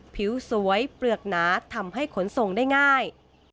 ผิวสวยเปลือกหนาทำให้ขนส่งได้ง่าย